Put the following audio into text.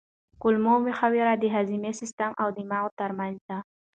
کولمو محور د هاضمي سیستم او دماغ ترمنځ دی.